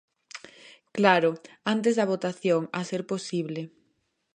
Claro, antes da votación, a ser posible.